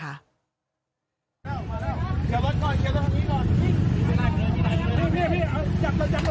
มาไหนกันเนี่ย